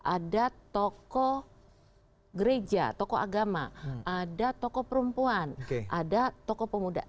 ada tokoh gereja tokoh agama ada tokoh perempuan ada tokoh pemuda